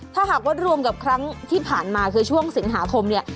ถ้าหากว่ารวมกับครั้งที่ผ่านมาคือช่วงสิงหาคมเนี่ย